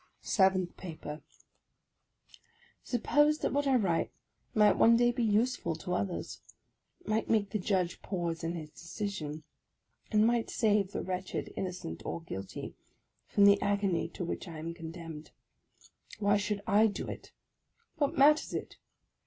OF A CONDEMNED 49 SEVENTH PAPER SUPPOSE that what I write might one day be useful to others, — might make the Judge pause in his decision, and might save the wretched (innocent or guilty) from the agony to which I am condemned, — why should / do it? What matters it?